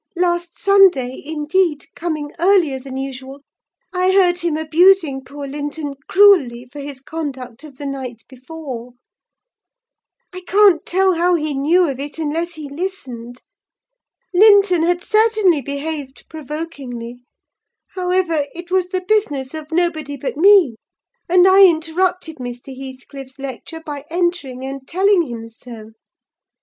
Last Sunday, indeed, coming earlier than usual, I heard him abusing poor Linton cruelly for his conduct of the night before. I can't tell how he knew of it, unless he listened. Linton had certainly behaved provokingly: however, it was the business of nobody but me, and I interrupted Mr. Heathcliff's lecture by entering and telling him so.